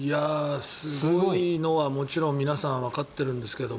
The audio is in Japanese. すごいのはもちろん皆さんわかっているんですけど